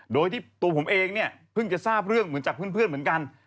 โดยที่ตัวผมเองเนี่ยเพิ่งจะทราบเรื่องเหมือนจากเพื่อนเหมือนกัน